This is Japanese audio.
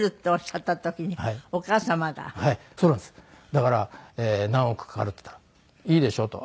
だから「何億かかる」って言ったら「いいでしょう」と。